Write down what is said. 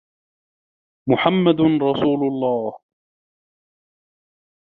محمد رسول الله